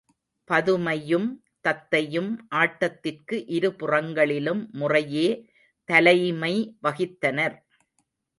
பதுமையும் தத்தையும் ஆட்டத்திற்கு இருபுறங்களிலும் முறையே தலைமை வகித்தனர்.